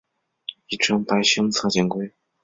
亦称白胸侧颈龟。